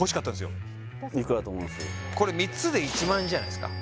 これ３つで１万円じゃないっすか？